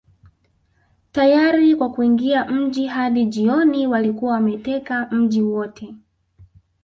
Tayari kwa kuingia mjini Hadi jioni walikuwa wameteka mji wote